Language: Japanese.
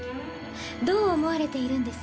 どう思われているんです？